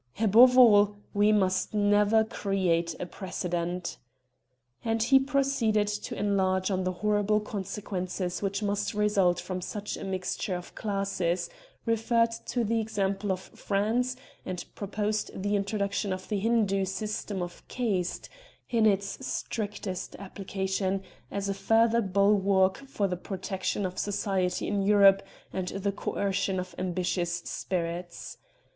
Above all, we must never create a precedent." And he proceeded to enlarge on the horrible consequences which must result from such a mixture of classes, referred to the example of France, and proposed the introduction of the Hindoo system of caste, in its strictest application, as a further bulwark for the protection of society in Europe and the coercion of ambitious spirits.